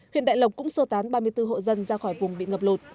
huyện đại lộc cũng sơ tán ba mươi bốn hộ dân ra khỏi vùng bị ngập lụt